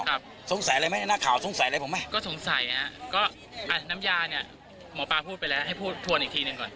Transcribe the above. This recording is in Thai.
ก็สงสัยนะฮะก็น้ำยานี่หมอปลาพูดไปแล้วให้พูดทวนอีกทีหนึ่งก่อน